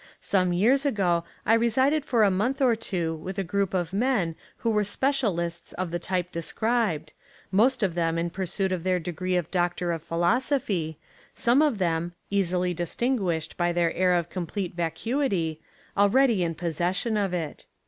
Some years ago I resided for a month or two with a group of men who were specialists of the type described, most of them in pursuit of their degree of Doctor of Philosophy, some of them — easily distinguished by their air of complete vacuity — already in 78 Literature and Education in America possession of it.